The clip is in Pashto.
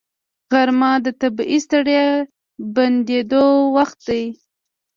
غرمه د طبیعي ستړیا بندېدو وخت دی